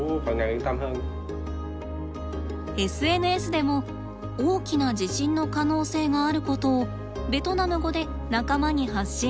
ＳＮＳでも大きな地震の可能性があることをベトナム語で仲間に発信。